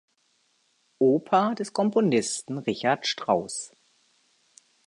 Oper des Komponisten Richard Strauss.